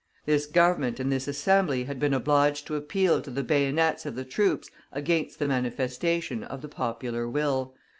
This Government and this Assembly had been obliged to appeal to the bayonets of the troops against the manifestation of the popular will.